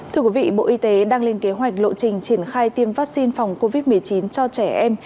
thưa quý vị bộ y tế đang lên kế hoạch lộ trình triển khai tiêm vaccine phòng covid một mươi chín cho trẻ em